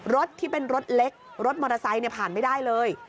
รถที่เป็นรถเล็กรถมอเตอร์ไซค์ผ่านไม่ได้เลย